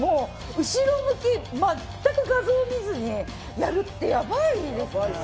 後ろ向き、全く画像見ずにやるってヤバいですね。